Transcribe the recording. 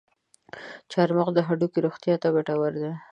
چارمغز د هډوکو روغتیا ته ګټور دی.